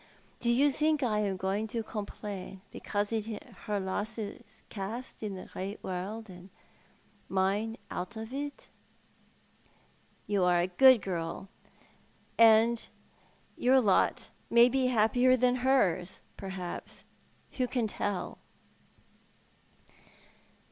Do you think I am going to complain because her lot is cast iu the great world and mine out of it ?"" You are a good girl, and your lot may be happier than hers, perhaps. Who can tell